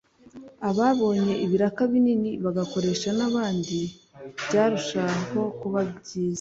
ababonye ibiraka binini bagakoresha n’abandi byarushaho kuba byiza